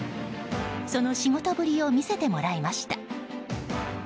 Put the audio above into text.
その仕事ぶりを見せてもらいました。